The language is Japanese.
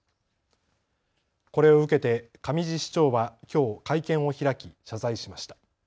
これを受けて上地市長はきょう会見を開き謝罪しました。